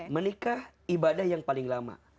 menikah ibadah yang paling lama